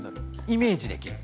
イメージできる。